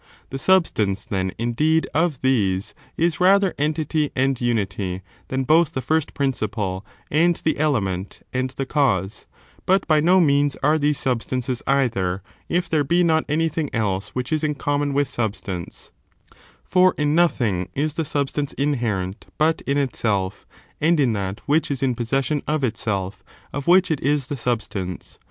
The substance, then, indeed, of these is rather entity and unity, than both the first principle, and the element, and the cause ; but by no means are these substances either, if there be not anything else which is in * common with substance; for in nothing is the substance inherent but in itself, and in that which is in possession of itself of which it is the substance.